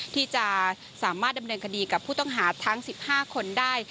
ที่จะดำเนินดันคดีกับผู้ต้องหาทั้ง๑๕คนได้